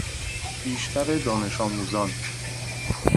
بیشتر دانش آموزان